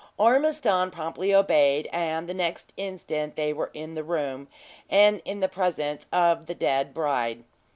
Ormiston promptly obeyed, and the next instant they were in the room, and in the presence of the dead bride.